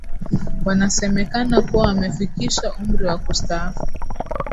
Wanasemekana kuwa wamefikisha umri wa kustaafu